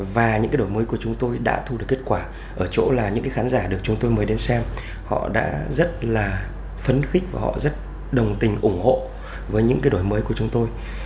và những cái đổi mới của chúng tôi đã thu được kết quả ở chỗ là những khán giả được chúng tôi mới đến xem họ đã rất là phấn khích và họ rất đồng tình ủng hộ với những cái đổi mới của chúng tôi